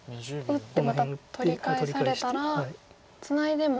打ってまた取り返されたらツナいでも。